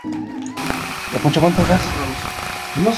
Otros microbios forman tapetes que cubren considerables áreas.